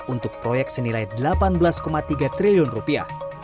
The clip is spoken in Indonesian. untuk proyek senilai delapan belas tiga triliun rupiah